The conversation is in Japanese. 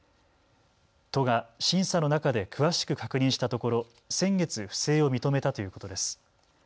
都が審査の中で詳しく確認したところ先月、不正を認めたということです。